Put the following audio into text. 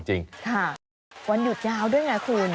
วันหยุดยาวด้วยมั้ยคุณ